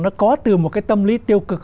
nó có từ một cái tâm lý tiêu cực